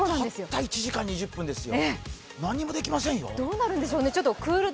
たった１時間２０分ですよ何もできませんよ。